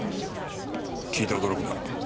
聞いて驚くな。